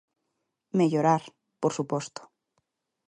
Mellorar, por suposto.